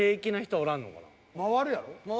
回るやろ？